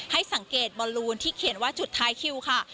ให้สังเกตบอลลูนที่เขียนว่าจุดท้ายคิวค่ะ